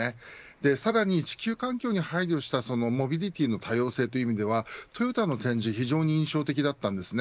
さらに地球環境に配慮したモビリティの多様性という意味ではトヨタの展示が非常に印象的でした。